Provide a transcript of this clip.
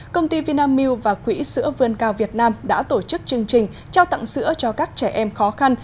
công ty vinamilk và quỹ sữa vươn cao việt nam đã tổ chức chương trình trao tặng sữa cho các trẻ em khó khăn